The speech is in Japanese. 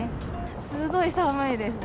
すごい寒いですね。